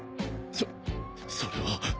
そそれは。